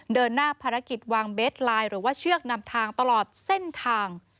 เดินหน้าภารกิจวางเบสไลน์หรือว่าเชือกนำทางตลอดเส้นทาง